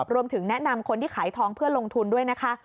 รวมถึงแนะนำคนที่ขายทองเพื่อลงทุนด้วยนะคะ